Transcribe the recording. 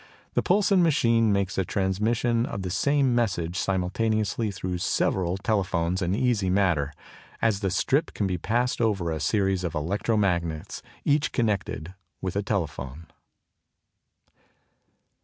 The Poulsen machine makes the transmission of the same message simultaneously through several telephones an easy matter, as the strip can be passed over a series of electro magnets each connected with a telephone.